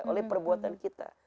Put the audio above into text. oleh perbuatan kita